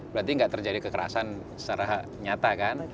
berarti nggak terjadi kekerasan secara nyata kan